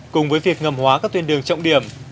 cùng với việc ngầm hóa các tuyên đường trọng điểm